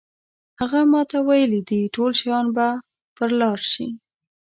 هغه ماته ویلي دي ټول شیان به پر لار شي.